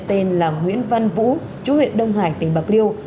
tên là nguyễn văn vũ chú huyện đông hải tỉnh bạc liêu